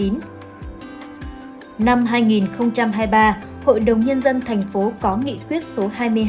năm hai nghìn hai mươi ba hội đồng nhân dân thành phố có nghị quyết số hai mươi hai